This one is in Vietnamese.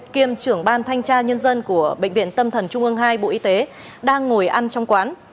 kiêm trưởng ban thanh tra nhân dân của bệnh viện tâm thần trung ương hai bộ y tế đang ngồi ăn trong quán